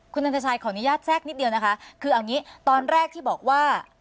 คุณนันทชัยขออนุญาตแทรกนิดเดียวนะคะคือเอางี้ตอนแรกที่บอกว่า